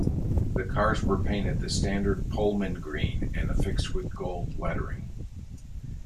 The cars were painted the standard Pullman Green and affixed with gold lettering.